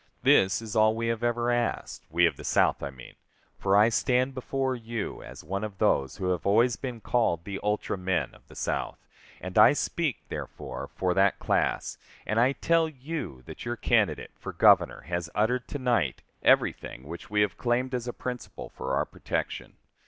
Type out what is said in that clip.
This is all we have ever asked we of the South, I mean for I stand before you as one of those who have always been called the ultra men of the South, and I speak, therefore, for that class; and I tell you that your candidate for Governor has uttered to night everything which we have claimed as a principle for our protection.